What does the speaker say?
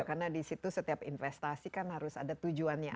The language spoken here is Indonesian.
karena di situ setiap investasi kan harus ada tujuannya apa